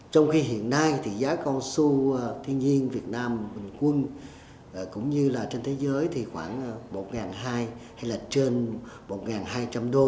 trong khi hiện nay thì giá cao su thiên nhiên việt nam bình quân cũng như là trên thế giới thì khoảng một hai hay là trên một hai trăm linh usd